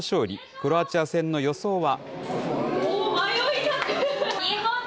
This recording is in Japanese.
クロアチア戦の予想は。